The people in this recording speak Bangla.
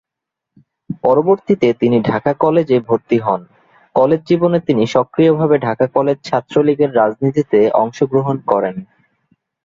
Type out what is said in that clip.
পরবর্তীতে তিনি ঢাকা কলেজে ভর্তি হন, কলেজ জীবনে তিনি সক্রিয়ভাবে ঢাকা কলেজ ছাত্রলীগের রাজনীতিতে অংশগ্রহণ করেন।